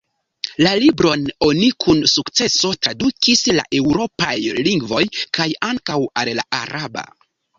La libron oni kun sukceso tradukis al eŭropaj lingvoj, kaj ankaŭ al la araba.